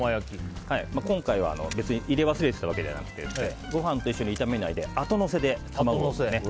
今回は入れ忘れていたわけじゃなくてご飯と一緒に炒めないであとのせで卵をのせる